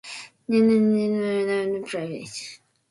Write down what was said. When it was too dark to golf, he was known to play bridge.